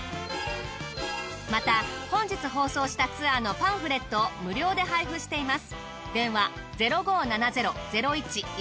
また本日放送したツアーのパンフレットを無料で配布しています。